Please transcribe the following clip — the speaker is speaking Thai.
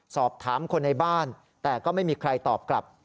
สอบถามคนในบ้านแต่ก็ไม่มีใครตอบกลับ